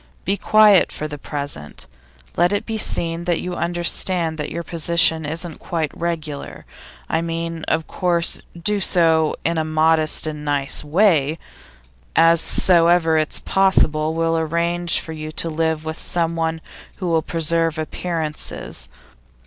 Be very quiet for the present; let it be seen that you understand that your position isn't quite regular I mean, of course, do so in a modest and nice way. As soon as ever it's possible, we'll arrange for you to live with someone who will preserve appearances.